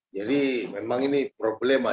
jadi memang ini problema